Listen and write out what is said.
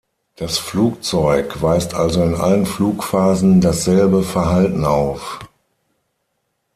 Das Flugzeug weist also in allen Flugphasen dasselbe Verhalten auf.